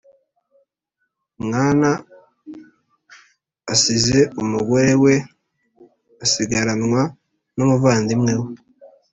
mwana asize umugore we asigaranwa n umuvandimwe we